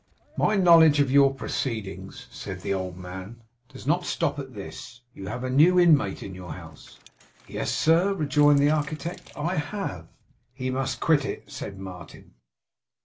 'My knowledge of your proceedings,' said the old man, does not stop at this. You have a new inmate in your house.' 'Yes, sir,' rejoined the architect, 'I have.' 'He must quit it' said Martin.